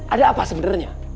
ada apa sebenarnya